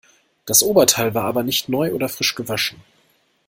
Das Oberteil war aber nicht neu oder frisch gewaschen.